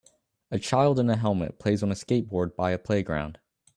A child in a helmet plays on a skateboard by a playground